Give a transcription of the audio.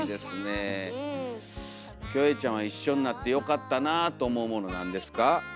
キョエちゃんは一緒になってよかったなぁと思うものなんですか？